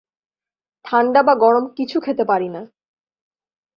ঠান্ডা বা গরম কিছু খেতে পারি না।